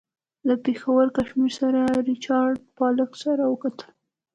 له پېښور کمیشنر سر ریچارډ پالک سره وکتل.